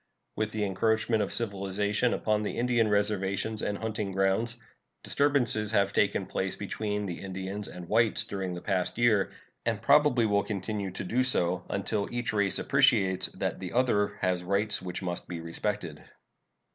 With the encroachment of civilization upon the Indian reservations and hunting grounds, disturbances have taken place between the Indians and whites during the past year, and probably will continue to do so until each race appreciates that the other has rights which must be respected.